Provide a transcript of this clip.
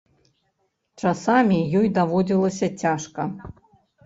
Часамі ёй даводзілася цяжка.